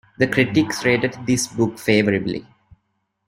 The critics rated this book favourably.